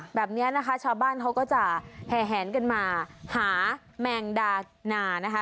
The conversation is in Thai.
ค่ะแบบเนี่ยนะคะชาวบ้านเขาก็จะแห่งกันมาหาแม่งดานะนะคะ